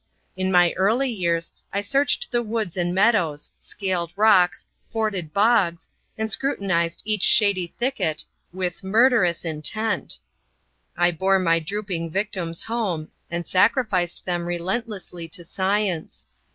In my early years I searched the woods and meadows, scaled rocks, forded bogs, and scrutinized each shady thicket, with murderous intent. I bore my drooping victims home, and sacrificed them relentlessly to science.